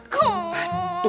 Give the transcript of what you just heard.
bener mama aku takut